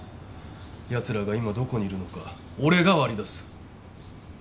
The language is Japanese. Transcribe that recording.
やつらが今どこにいるのか俺が割り出す。